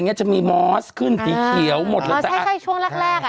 เงี้ยจะมีมอสขึ้นตีเขียวหมดแล้วอ่าใช่ค่อยช่วงแรกแรกอ่ะ